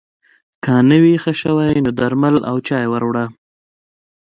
که نه وي ښه شوی نو درمل او چای ور وړه